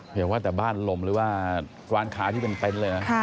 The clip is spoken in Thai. เห็นว่าแต่บ้านลมหรือว่าร้านค้าที่เป็นเต็มเลย